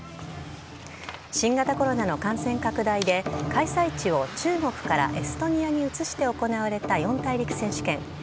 新型コロナの感染拡大で開催地を中国からエストニアに移して行われた四大陸選手権。